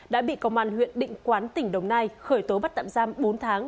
đã bị công an huyện định quán tỉnh đồng nai khởi tố bắt tạm giam bốn tháng